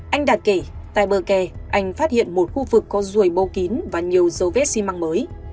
anh đạt kể tại bờ kè anh phát hiện một khu vực có ruồi bô kín và nhiều dấu vết xi măng mới